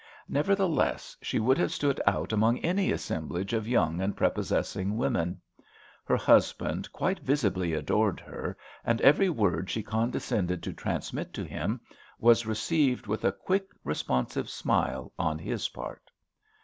Nevertheless, she would have stood out among any assemblage of young and prepossessing women. Her husband quite visibly adored her, and every word she condescended to transmit to him was received with a quick, responsive smile on his part.